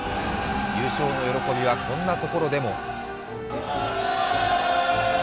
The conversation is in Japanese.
優勝の喜びは、こんなところでも。